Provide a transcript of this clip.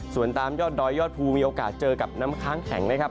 ส่วนตามยอดดอยยอดภูมีโอกาสเจอกับน้ำค้างแข็งนะครับ